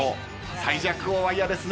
最弱王は嫌ですね。